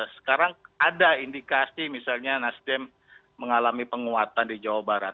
sekarang ada indikasi misalnya nasdem mengalami penguatan di jawa barat